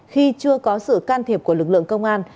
khi chưa có sự can thiệp của lực lượng công an